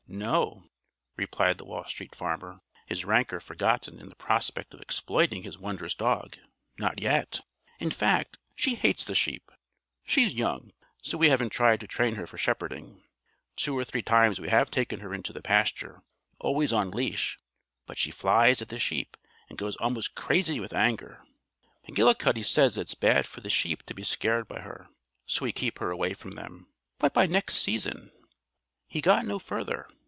"No," replied the Wall Street Farmer, his rancor forgotten in the prospect of exploiting his wondrous dog, "not yet. In fact, she hates the sheep. She's young, so we haven't tried to train her for shepherding. Two or three times we have taken her into the pasture always on leash but she flies at the sheep and goes almost crazy with anger. McGillicuddy says it's bad for the sheep to be scared by her. So we keep her away from them. But by next season " He got no further.